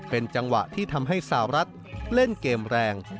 เป็นจังหวะที่ทำให้สาวรัฐเล่นเกมแรง